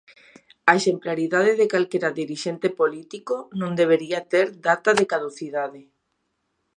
A exemplaridade de calquera dirixente político non debería ter data de caducidade.